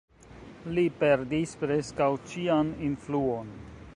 Li perdis preskaŭ ĉian influon.